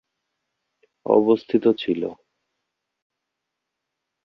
অবস্থিত ছিল।